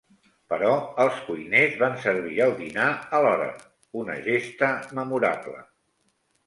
Però els cuiners van servir el dinar a l'hora: una gesta memorable.